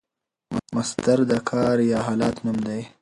مصدر د کار یا حالت نوم دئ.